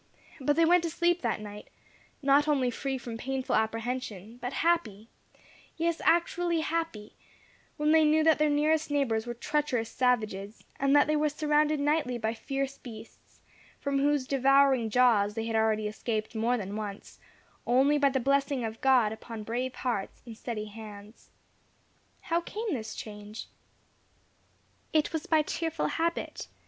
But they went to sleep that night, not only free from painful apprehension, but happy yes, actually happy when they knew that their nearest neighbours were treacherous savages, and that they were surrounded nightly by fierce beasts, from whose devouring jaws they had already escaped more than once, only by the blessing of God upon brave hearts and steady hands. How came this change? It was by cheerful habit.